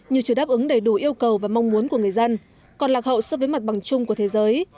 nhiều chưa đáp ứng đầy đủ yêu cầu và mong muốn của người dân còn lạc hậu so với mặt bằng chung của thế giới